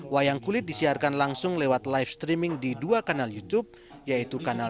wayang kulit disiarkan langsung lewat live streaming di dua kanal youtube yaitu kanal